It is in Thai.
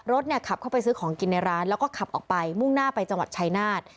ขับเข้าไปซื้อของกินในร้านแล้วก็ขับออกไปมุ่งหน้าไปจังหวัดชายนาฏ